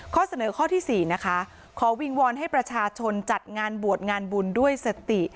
ข้อเสนอ๔ขอวิงวอนให้ประชาชนจัดงานบวชงานบุญด้วยสติ